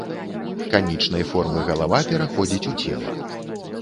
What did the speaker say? Канічнай формы галава пераходзіць у цела.